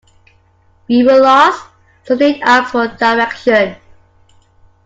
We were lost, so Nate asked for directions.